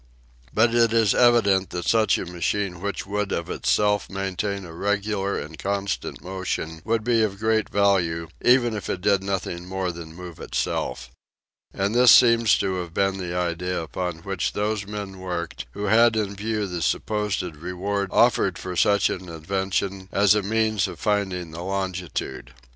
But it is evident that a machine which would of itself maintain a regular and constant motion would be of great value, even if it did nothing more than move itself. And this seems to have been the idea upon which those men worked, who had in view the supposed reward offered for such an invention as a means for finding the longitude.